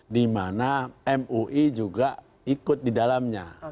di mana mui juga ikut di dalamnya